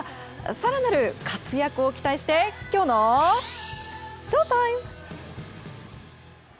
更なる活躍を期待してきょうのＳＨＯＴＩＭＥ！